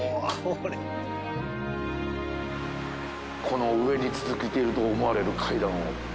この上に続いていると思われる階段を。